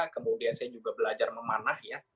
kemudian saya juga belajar memanah ya